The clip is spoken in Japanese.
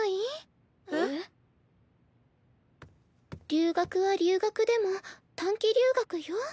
留学は留学でも短期留学よ。